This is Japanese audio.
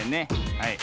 はい。